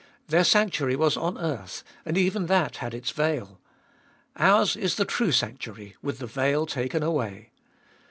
Their sanctuary was on earth, and even that had its veil ; ours is the true sanctuary, with the veil taken away.